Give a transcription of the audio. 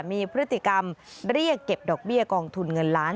มีพฤติกรรมเรียกเก็บดอกเบี้ยกองทุนเงินล้าน